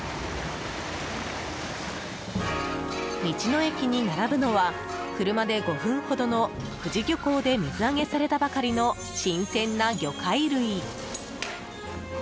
道の駅に並ぶのは車で５分ほどの久慈漁港で水揚げされたばかりの新鮮な魚介類。